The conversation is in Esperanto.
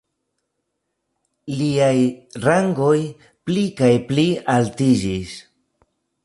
Liaj rangoj pli kaj pli altiĝis.